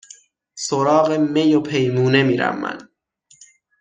سراغ می و پیمونه میرم من